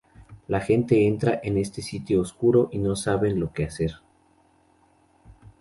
La gente entra en ese sitio oscuro y no saben lo que hacer.